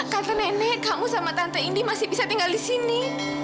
kata nenek kamu sama tante indi masih bisa tinggal di sini